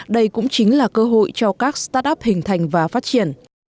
đây cũng chính là cơ hội cho các start up hình thành và phát triển